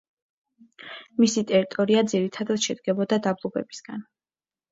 მისი ტერიტორია ძირითადად შედგებოდა დაბლობებისგან.